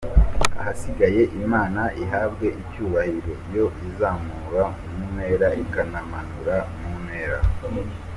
Ahasigaye Imana ihabwe icyubahiro yo izamura mu ntera ikanamanura mu ntera.